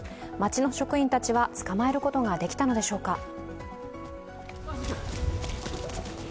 町の職員たちは捕まえることができたのでしょうか。